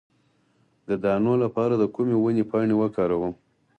د دانو لپاره د کومې ونې پاڼې وکاروم؟